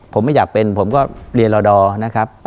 ผมไม่อยากเป็นผมก็เรียนรอดอร์นะครับ